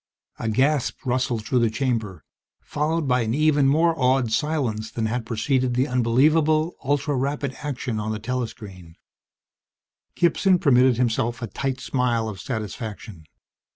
_ A gasp rustled through the chamber, followed by an even more awed silence than had preceded the unbelievable, ultra rapid action on the telescreen. Gibson permitted himself a tight smile of satisfaction.